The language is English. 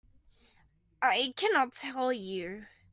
I cannot tell you.